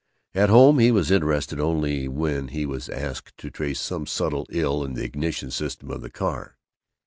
At home he was interested only when he was asked to trace some subtle ill in the ignition system of the car.